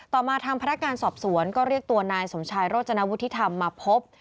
มาทางพนักงานสอบสวนก็เรียกตัวนายสมชายโรจนวุฒิธรรมมาพบ